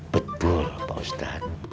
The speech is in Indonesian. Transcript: betul pak ustadz